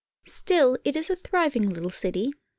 Still, it is a thriving little city.